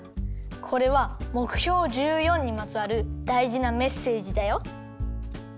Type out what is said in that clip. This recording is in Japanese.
これはもくひょう１４にまつわるだいじなメッセージだよ。